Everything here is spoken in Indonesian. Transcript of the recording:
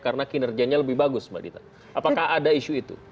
karena kinerjanya lebih bagus mbak dita apakah ada isu itu